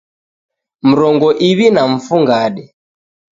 Mrongo iw'i na mfungade